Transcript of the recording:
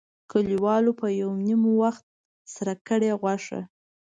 کلیوالو به یو نیم وخت سره کړې غوښه.